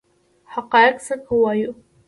حقایق څنګه ووایو؟